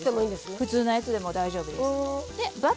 普通のやつでも大丈夫です。